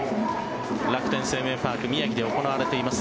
楽天生命パーク宮城で行われています。